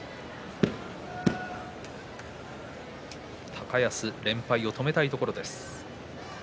高安は連敗を止めたいところです。